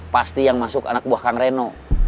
pasti yang masuk anak buah kang reno